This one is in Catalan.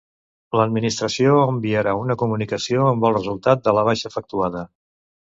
L'Administració enviarà una comunicació amb el resultat de la baixa efectuada.